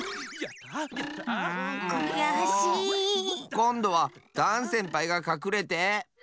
こんどはダンせんぱいがかくれて！